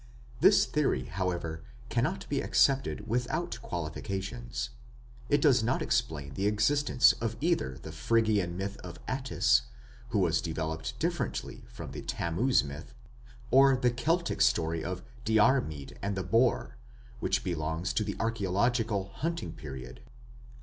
This theory, however, cannot be accepted without qualifications. It does not explain the existence of either the Phrygian myth of Attis, which was developed differently from the Tammuz myth, or the Celtic story of "Diarmid and the boar", which belongs to the archaeological "Hunting Period".